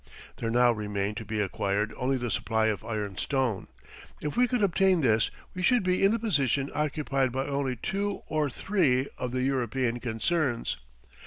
There now remained to be acquired only the supply of iron stone. If we could obtain this we should be in the position occupied by only two or three of the European concerns.